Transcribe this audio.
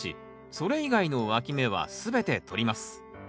それ以外のわき芽は全て取ります。